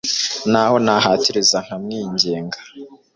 n'aho nahatiriza nkamwinginga